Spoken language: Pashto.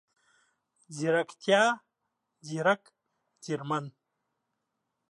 ځيرکتيا، ځیرک، ځیرمن،